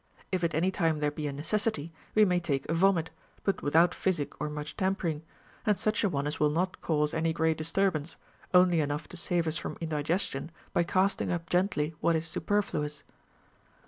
If at any time there be a necessity, we may take a vomit, but Avithout physic or much tampering, and such a one as will not cause any great disturbance, only enough to save us from indigestion by casting up gently what is superfluous.